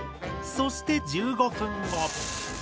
そして１５分後。